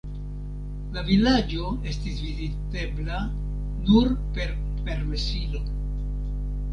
La vilaĝo estis vizitebla nur per permesilo.